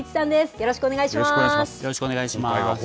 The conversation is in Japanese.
よろしくお願いします。